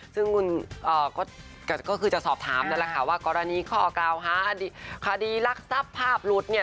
ซึ่งก็คือจะสอบถามนั่นแหละค่ะว่ากรณีข้อกล่าวหาคดีรักทรัพย์ภาพหลุดเนี่ย